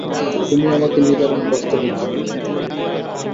তুমি আমাকে নিদারুণ কষ্ট দিচ্ছ।